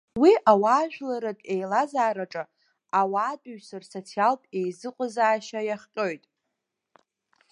Уи ауаажәларратә еилазаараҿы ауаатәыҩса рсоциалтә еизыҟазаашьа иахҟьоит.